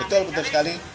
betul betul sekali